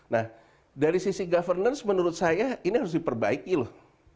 nah dari sisi governance menurut saya ini harus diperbaiki loh